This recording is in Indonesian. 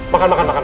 makan makan makan